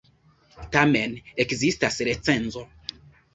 Tamen ekzistas recenzo!